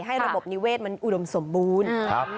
ระบบนิเวศมันอุดมสมบูรณ์